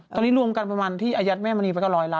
ตอนนี้รวมกันประมาณที่อายัดแม่มันนี่ไปก็รออยละ